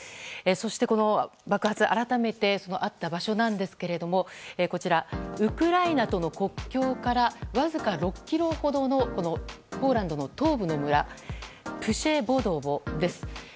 そしてこの爆発改めてあった場所ですがウクライナとの国境からわずか６ｋｍほどのポーランド東部の村プシェヴォドヴォです。